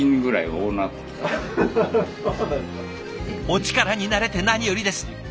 お力になれて何よりです。